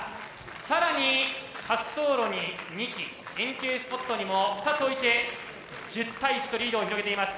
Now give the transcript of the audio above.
更に滑走路に２機円形スポットにも２つ置いて１０対１とリードを広げています。